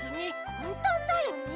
かんたんだよね？